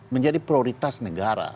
menjadi prioritas negara